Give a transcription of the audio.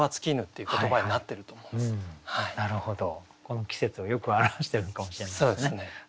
なるほどこの季節をよく表してるのかもしれないですね。